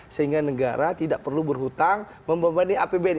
sehingga negara tidak perlu berhutang membanding apbn